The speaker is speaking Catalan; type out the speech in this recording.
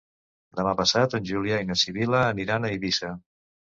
Demà passat en Julià i na Sibil·la aniran a Eivissa.